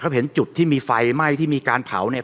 เขาเห็นจุดที่มีไฟไหม้ที่มีการเผาเนี่ย